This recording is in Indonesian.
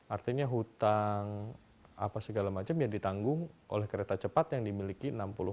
artinya hutang apa segala macam yang ditanggung oleh kereta cepat yang dimiliki enam puluh